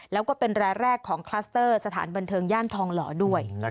แล้วก็เป็นรายแรกของคลัสเตอร์สถานบันเทิงย่านทองหล่อด้วย